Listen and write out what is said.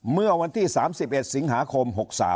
เมื่อวันที่๓๑สิงหาคม๖๓